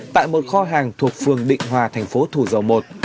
tại một kho hàng thuộc phường định hòa thành phố thủ dầu một